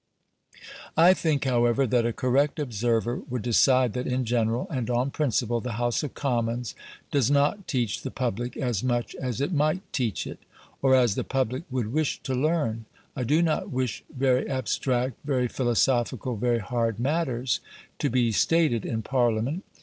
I think, however, that a correct observer would decide that in general, and on principle, the House of Commons does not teach the public as much as it might teach it, or as the public would wish to learn. I do not wish very abstract, very philosophical, very hard matters to be stated in Parliament.